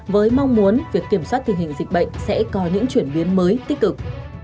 với mong muốn việc kiểm soát tình hình dịch bệnh sẽ có những chuyển biến mới tích cực